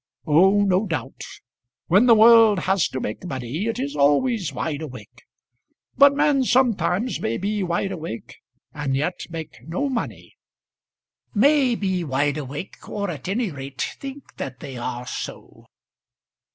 "Oh, no doubt; when the world has to make money it is always wide awake. But men sometimes may be wide awake and yet make no money; may be wide awake, or at any rate think that they are so."